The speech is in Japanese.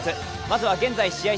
まずは現在試合